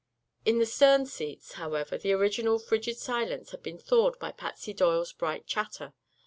In the stern seats, however, the original frigid silence had been thawed by Patsy Doyle's bright chatter.